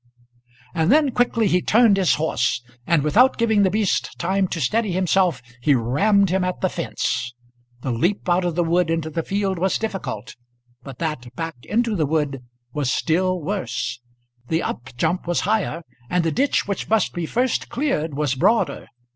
And then quickly he turned his horse, and without giving the beast time to steady himself he rammed him at the fence. The leap out of the wood into the field was difficult, but that back into the wood was still worse. The up jump was higher, and the ditch which must be first cleared was broader.